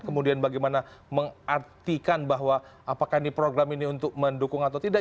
kemudian bagaimana mengartikan bahwa apakah ini program ini untuk mendukung atau tidak